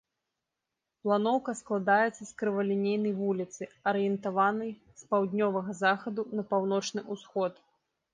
Планоўка складаецца з крывалінейнай вуліцы, арыентаванай з паўднёвага захаду на паўночны ўсход.